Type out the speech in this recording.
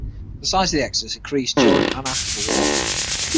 The size of the exodus increased during and after the war.